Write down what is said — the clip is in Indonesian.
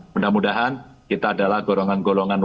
mudah mudahan kita adalah golongan golongan